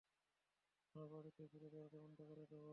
আমরা বাড়িতে ফিরে দরজা বন্ধ করে দেব।